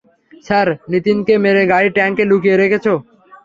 Sir-- নিতিনকে মেরে গাড়ির ট্যাঙ্কে লুকিয়ে রেখেছ?